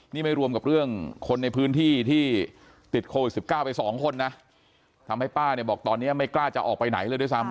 นี่ไม่รวมกับเรื่องคนในพื้นที่ที่ติดโควิด๑๙ไปสองคนนะทำให้ป้าเนี่ยบอกตอนนี้ไม่กล้าจะออกไปไหนเลยด้วยซ้ำ